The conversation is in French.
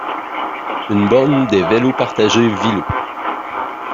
Une borne des vélos partagés Villo!